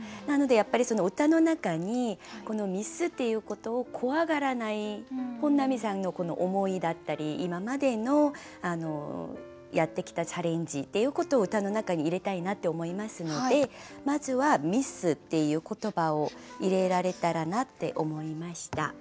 なのでやっぱり歌の中にこのミスっていうことを怖がらない本並さんのこの思いだったり今までのやってきたチャレンジっていうことを歌の中に入れたいなって思いますのでまずは「ミス」っていう言葉を入れられたらなって思いました。